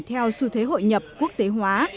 theo xu thế hội nhập quốc tế hóa